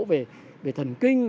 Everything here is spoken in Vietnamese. về thần kinh